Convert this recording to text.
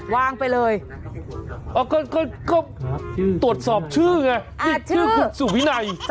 วางไปเลยก็ตรวจสอบชื่อไงชื่อคุณสุวินัย